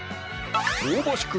香ばしく